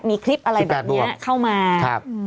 มีคลิปอะไรแบบนี้เข้ามาอทรีย์สิบแปดบวกครับ